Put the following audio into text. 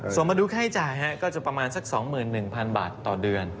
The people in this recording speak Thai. ส่วนมาดูค่าใช้จ่ายก็จะประมาณสัก๒๑๐๐๐บาทต่อเดือน